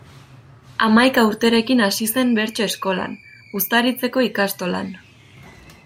Hamaika urterekin hasi zen bertso eskolan, Uztaritzeko ikastolan.